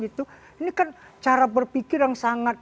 ini kan cara berpikir yang sangat